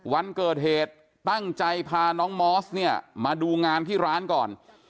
วันเกิดเหตุตั้งใจพาน้องมอสเนี่ยมาดูงานที่ร้านก่อน